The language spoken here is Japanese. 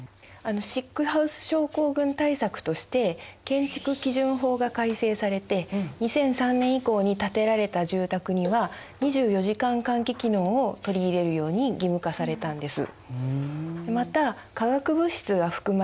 シックハウス症候群対策として建築基準法が改正されて２００３年以降に建てられた住宅には２４時間換気機能を取り入れるように義務化されたんです。